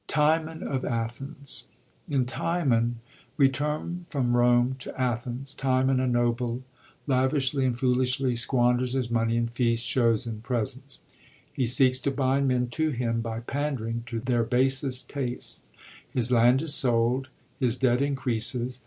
TiMON OF Athens.— In Timon we turn from Rome to Athens. Timon, a noble, lavishly and foolishly squanders his money in feasts, shows, and presents. He seeks to bind men to him by pandering to their basest tastes. His land is sold; his debt increases.